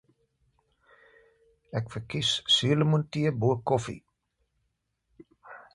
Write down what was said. Ek verkies suurlemoentee bo koffie